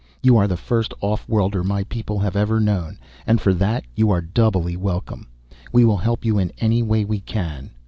You are the first off worlder my people have ever known and for that you are doubly welcome. We will help you in any way we can.